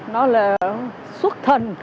nó là xuất thần